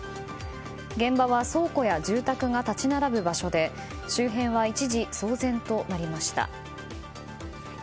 現場は倉庫や住宅が立ち並ぶ場所で周辺は一時騒然となりました。